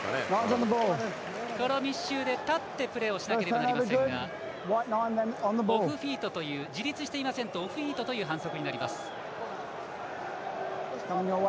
この密集で立ってプレーをしなければなりませんが自立していないとオフフィートという反則になります。